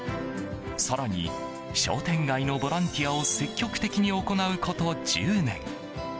更に、商店街のボランティアを積極的に行うこと１０年。